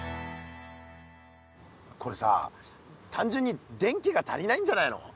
これさあたんじゅんに電気が足りないんじゃないの？